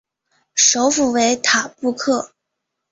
首府为塔布克。